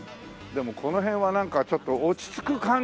でもこの辺はなんかちょっと落ち着く感じだね。